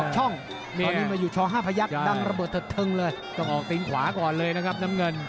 ต้องออกตีงขวาก่อนเลยนะครับน้ำเงิน